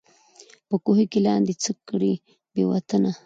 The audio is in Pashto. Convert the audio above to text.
په کوهي کي لاندي څه کړې بې وطنه